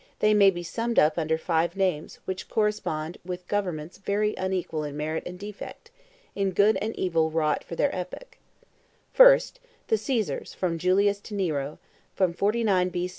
They may be summed up under five names, which correspond with governments very unequal in merit and defect, in good and evil wrought for their epoch: 1st, the Caesars from Julius to Nero (from 49 B.